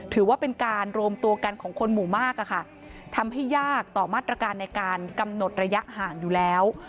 ถือว่าเป็นการรวมตัวกันของคนหมู่มากทำให้ยากต่อมาตรการในการกำหนดระยะห่างอยู่แล้ว